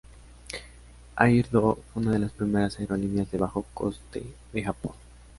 Air Do fue una de las primeras aerolíneas de bajo coste de Japón.